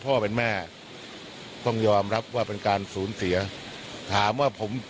พ่อเป็นแม่ต้องยอมรับว่าเป็นการสูญเสียถามว่าผม